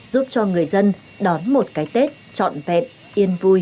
giúp cho người dân đón một cái tết trọn vẹn yên vui